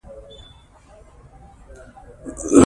چې په متن کې د دواړو جنسونو لپاره